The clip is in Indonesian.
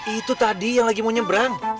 itu tadi yang lagi mau nyebrang